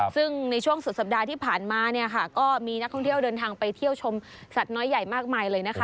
ซึ่งในช่วงสุดสัปดาห์ที่ผ่านมาเนี่ยค่ะก็มีนักท่องเที่ยวเดินทางไปเที่ยวชมสัตว์น้อยใหญ่มากมายเลยนะคะ